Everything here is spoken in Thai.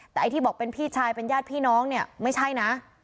แต่ไอ้ที่บอกเป็นพี่ชายเป็นญาติพี่น้องเนี่ยไม่ใช่นะ